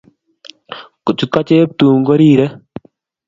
Kochut ko Cheptum ko rirey.